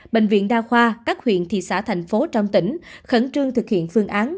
bệnh viện đa khoa các huyện thị xã thành phố trong tỉnh khẩn trương thực hiện phương án